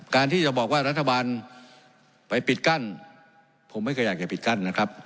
การที่จะบอกว่ารัฐบาลไปปิดกั้นผมไม่เคยอยากจะปิดกั้นนะครับ